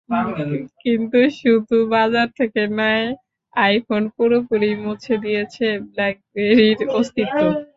কিন্তু শুধু বাজার থেকে নয়, আইফোন পুরোপুরিই মুছে দিয়েছে ব্ল্যাকবেরির অস্তিত্ব।